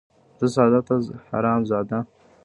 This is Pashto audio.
ـ زه ساده ،ته حرام زاده.